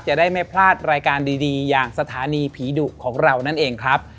จะได้ไม่พลาดรายการดีอย่างสถานีผีดุของเรานั่นเองครับ